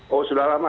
oh sudah lama